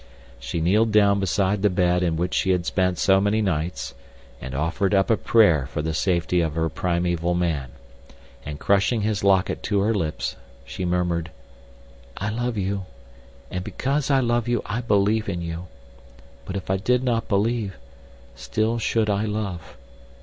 She kneeled down beside the bed in which she had spent so many nights, and offered up a prayer for the safety of her primeval man, and crushing his locket to her lips she murmured: "I love you, and because I love you I believe in you. But if I did not believe, still should I love.